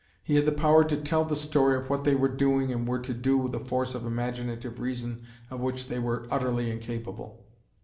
He had the power to tell the story of what they were doing and were to do with a force of imaginative reason of which they were utterly incapable.